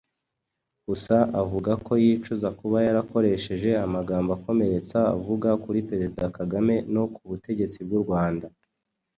Gusa avuga ko yicuza kuba yarakoresheje amagambo akomeretsa avuga kuri Perezida Kagame no ku butegetsi bw'u Rwanda.